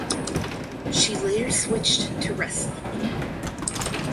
She later switched to wrestling.